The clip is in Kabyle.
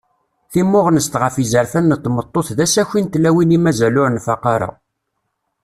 Timmuɣnest ɣef yizerfan n tmeṭṭut d asaki n tlawin i mazal ur nfaq ara.